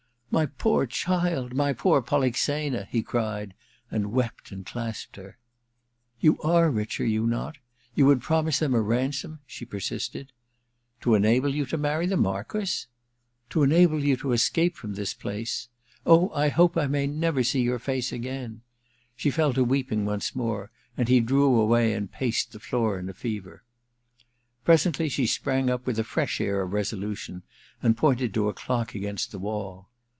* My poor child, my poor Polixena !' he cried, and wept and clasped her. *You are rich, are you not? You would promise them a ransom ?' she persisted. * To enable you to marry the Marquess ?' *To enable you to escape from this place. Oh, I hope I may never see your face again.' z 2 340 A VENETIAN NIGHTS iii She fell to weeping once more, and he drew away and paced the floor in a fever. Presently she sprang up with a fresh air of resolution, and pointed to a clock against the wall.